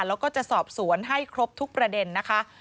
แล้วก็จะสอบสวนให้ครบทุกประเด็นนะคะ